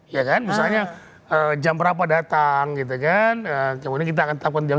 ya kan misalnya jam berapa datang gitu kan kemudian kita akan tetapkan jam dua